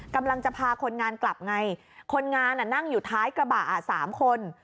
กำลังจะพาคนงานกลับไงคนงานนั่งอยู่ท้ายกระบะ๓คน